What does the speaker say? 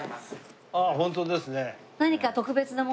あっホントですね。